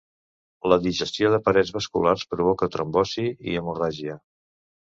La digestió de parets vasculars provoca trombosi i hemorràgia.